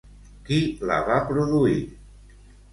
Qui la va produir?